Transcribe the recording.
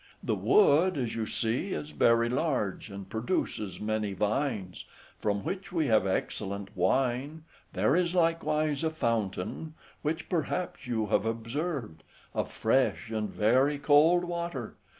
The wood, as you see, is very large, and produces many vines, from which we have excellent wine; there is likewise a fountain, which perhaps you have observed, of fresh and very cold water.